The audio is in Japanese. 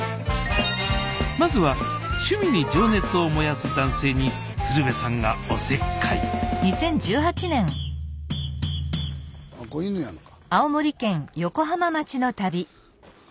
まずは趣味に情熱を燃やす男性に鶴瓶さんがおせっかいあっこ犬やんか。